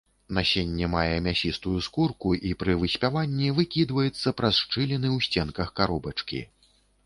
Насенне мае мясістую скурку і пры выспяванні выкідваецца праз шчыліны ў сценках каробачкі.